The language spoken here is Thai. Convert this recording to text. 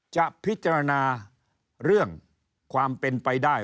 จะพิจารณาเรื่องความเป็นไปได้